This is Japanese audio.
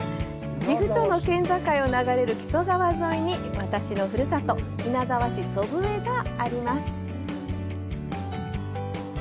岐阜との県境を流れる木曽川沿いに私のふるさと、稲沢市祖父江があります。